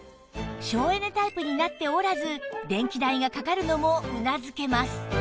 省エネタイプになっておらず電気代がかかるのもうなずけます